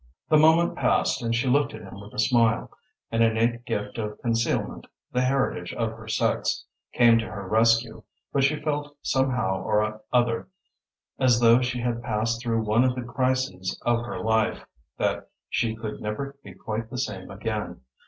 The moment passed and she looked at him with a smile. An innate gift of concealment, the heritage of her sex, came to her rescue, but she felt, somehow or other, as though she had passed through one of the crises of her life that she could never be quite the same again.